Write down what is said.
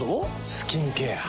スキンケア。